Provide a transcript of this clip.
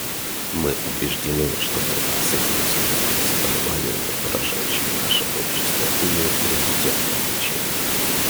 Мы убеждены, что борьба с этими серьезными заболеваниями, поражающими наши общества, имеет приоритетное значение.